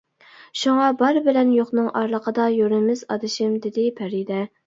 شۇڭا بار بىلەن يوقنىڭ ئارىلىقىدا يۈرىمىز ئادىشىم-دېدى پەرىدە.